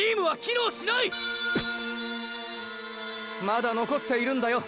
まだ残っているんだよ